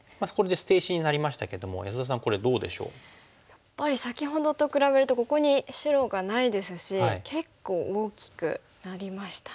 やっぱり先ほどと比べるとここに白がないですし結構大きくなりましたね。